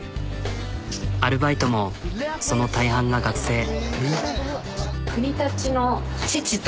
アルバイトもその大半が学生。